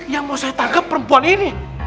yang mau saya tangkap perempuan ini